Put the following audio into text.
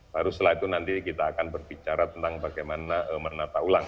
baru setelah itu nanti kita akan berbicara tentang bagaimana menata ulang